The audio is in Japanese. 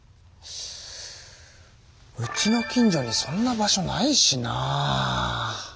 うちの近所にそんな場所ないしな？